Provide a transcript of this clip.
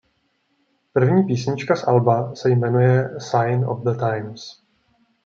První písnička z alba se jmenuje "Sign of the Times".